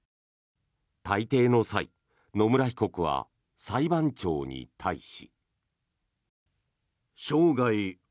退廷の際野村被告は裁判長に対し。